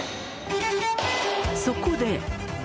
そこで。